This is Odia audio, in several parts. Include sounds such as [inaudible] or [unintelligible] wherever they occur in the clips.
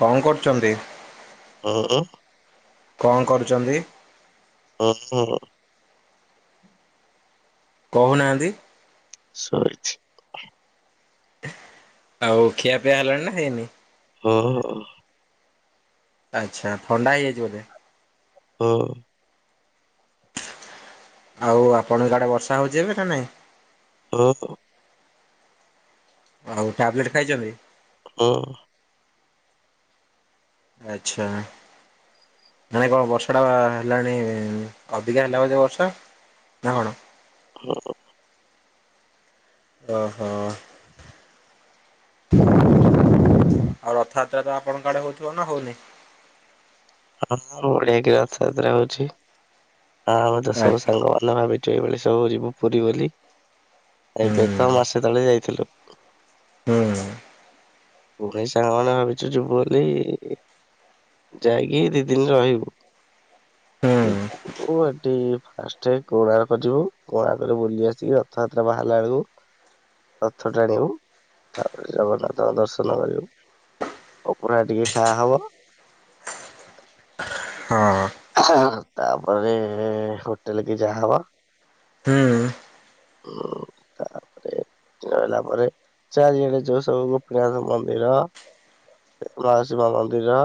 କଣ କରୁଚନ୍ତି? ହଁ -ହଁ। କଣ କରୁଚନ୍ତି? ରଥର କହୁନାହାନ୍ତି। ଶୋଇଛି। ଆଉ ଖିଆ ପିଆ ହେଲାଣି ନା ହେଇନି? ହଁ। ଆଚ୍ଛା ଥଣ୍ଡା ହେଇଯାଇଚି ବୋଧେ? ହଁ। ଆଉ ଆପଣଙ୍କ ଆଡେ ବର୍ଷା ହଉଚି ଏବେ ନା ନାଇଁ? ଓହୋ। ଆଉ ଟାବଲେଟ୍ ଖାଇଚନ୍ତି? ହଁ। ଆଚ୍ଛା। ମାନେ କଣ ବର୍ଷାଟା ହେଲାଣି ଅଧିକା ହେଲା ବୋଧେ ବର୍ଷା ନା କଣ? ହଁ। ଓହୋ। ଆଉ ରଥଯାତ୍ରା ତ ଆପଣଙ୍କ ଆଡେ ହଉଥିବ ନା ହଉନି? ହଁ ବଢିଆ କି ରଥଯାତ୍ରା ହଉଛି, ହଁ ଆମେ ତ ଆ ସବୁ ସାଙ୍ଗ ମାନେ ଭାବି ଚେ ବେଳି ସବୁ ଯିବୁ ପୁରୀ ବୋଲି, ହୁଁ ଏବେ ତ ମାସେ ତଳେ ଯାଇଥିଲୁ। ହଁ ଅଁ,। ପୁଣି ସାଙ୍ଗମାନେ ଭାବିଛୁ ଯିବୁ ବୋଲି। ଯାଇକି ଦି ଦିନ ରହିବୁ, ହୁଁ ଯିବୁ। ଓ ଏଠି ଫାଷ୍ଟ କୋଣାର୍କ ଯିବୁ, କୋଣାର୍କରେ ବୁଲି ଆସିକି ରଥଯାତ୍ରା ବାହାରିଲା ବେଳକୁ ରଥ ଟାଣିବୁ, ତାପରେ ଜଗନ୍ନାଥଙ୍କ ଦର୍ଶନ କରିବୁ। ଅଭଡ଼ା ଟିକେ ଖାଆ ହବ। ହଁ। ହଁ ତାପରେ ହୋଟେଲ୍ କି ଯାହା ହବ। ହୁଁ। ଓ, ତାପରେ ସେ ହେଲା ପରେ ଚାରିଆଡେ ଯୋଉ ସବୁ ଗୋପୀନାଥ ମନ୍ଦିର, ମାଉସୀ ମା ମନ୍ଦିର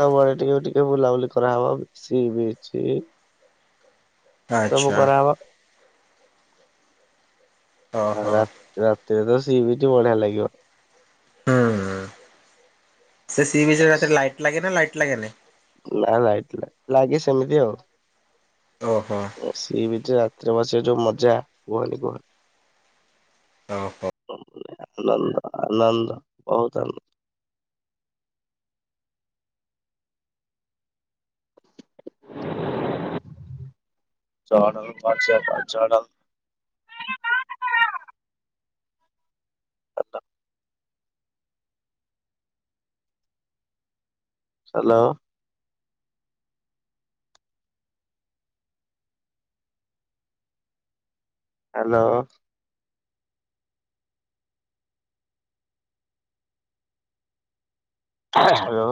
ସବୁଆଡେ ଟିକେ ଟିକେ ବୁଲାବୁଲି କରାହବ। ସି ବିଚି ସବୁ ଆଚ୍ଛା କରାହବ। ଆଉ ଓହୋ ରା-ରାତିରେ ତ ସି ବିଚ୍ ବଢିଆ ଲାଗିବ। ହୁଁ। ସେ ସି ବିଚ୍ ରେ ରାତିରେ ଲାଇଟ୍ ଲାଗେ ନା ଲାଇଟ୍ ଲାଗେନି? ନା ଲାଇଟି ଲା- ଲାଗେ ସେମିତି ଆଉ। ଓହୋ। ସି ବିଚ୍ ରେ ରାତିରେ ବସିବା ଯୋଉ ମଜା କୁହନି କୁହନି। ଓହୋ। [unintelligible] ଆନନ୍ଦ ଆନନ୍ଦ ବହୁତ ଆନ [unintelligible] [unintelligible] ହ୍ୟାଲୋ। ହ୍ୟାଲୋ। ହ୍ୟାଲୋ।